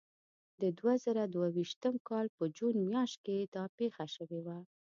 د دوه زره دوه ویشتم کال په جون میاشت کې دا پېښه شوې وه.